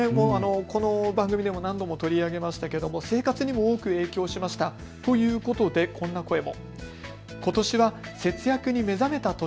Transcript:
この番組でも何度も取り上げましたけれど生活にも多く影響しましたということでこんな声も。